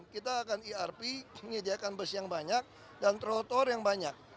kita akan irp menyediakan bus yang banyak dan trotor yang banyak